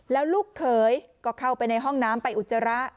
แล้วลูกเขยก็เข้าไปในห้องน้ำไปอุจจาระ